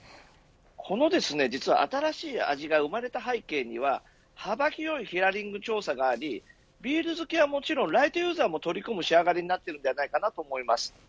この新しい味が生まれた背景には幅広いヒアリング調査がありビール好きはもちろんライトユーザーも取り込む仕上がりになっているのではないかと思います。